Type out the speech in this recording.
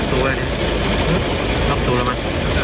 ล๊อคตัวไงเนี่ยล๊อคตัวแล้วมั้ย